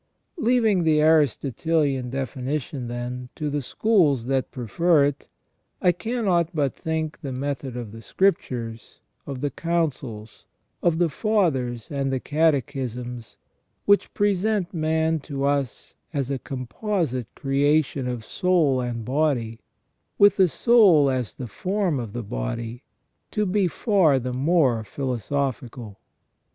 Leaving the Aristotelian definition, then, to the schools that prefer it, I cannot but think the method of the Scriptures, of the Councils, of the Fathers and the Catechisms, which present man to us as a composite creation of soul and body, with the soul as the form of the body, to be far the more philosophical.